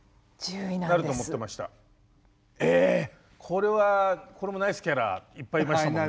これもナイスキャラいっぱいいましたもんね。